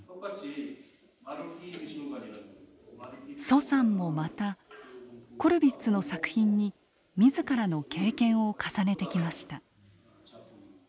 徐さんもまたコルヴィッツの作品に自らの経験を重ねてきました。